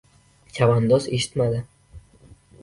Chavandoz eshitmadi.